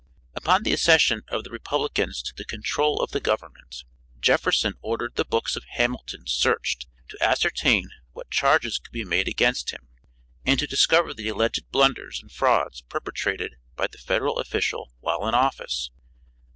Upon the accession of the Republicans to the control of the government, Jefferson ordered the books of Hamilton searched to ascertain what charges could be made against him, and to discover the alleged blunders and frauds perpetrated by the Federal official while in office.